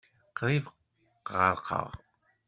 Qrib ɣerqeɣ.